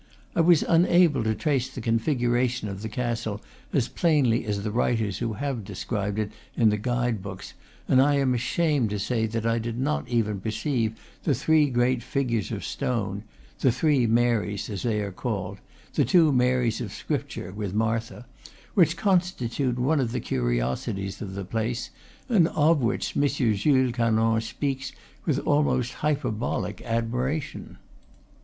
I was unable to trace the configuration of the castle as plainly as the writers who have described it in the guide books, and I am ashamed to say that I did not even perceive the three great figures of stone (the three Marys, as they are called; the two Marys of Scripture, with Martha), which constitute one of the curiosities of the place, and of which M. Jules Canonge speaks with almost hyperbolical admiration.